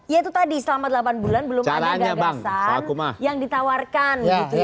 ya itu tadi selama delapan bulan belum ada gagasan yang ditawarkan gitu ya